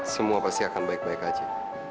semua pasti akan baik baik aja